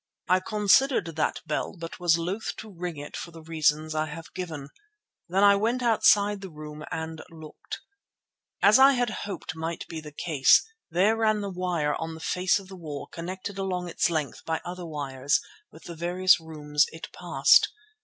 I considered that bell but was loath to ring it for the reasons I have given. Then I went outside the room and looked. As I had hoped might be the case, there ran the wire on the face of the wall connected along its length by other wires with the various rooms it passed.